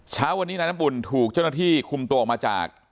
เช้าวันนี้นายน้ำอุ่นถูกเจ้าหน้าที่คุมตัวออกมาจาก